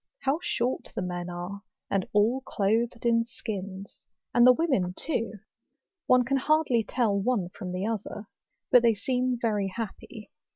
How short the men are, and all clothed in skins; and the women too ! one can hardly tell one from the other. But they seem very happy.